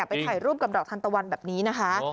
ไปถ่ายรูปกับดอกทันตะวันแบบนี้นะคะ